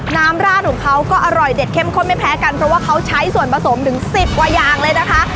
ราดของเขาก็อร่อยเด็ดเข้มข้นไม่แพ้กันเพราะว่าเขาใช้ส่วนผสมถึงสิบกว่าอย่างเลยนะคะ